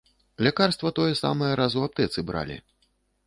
Лякарства тое самае раз у аптэцы бралі.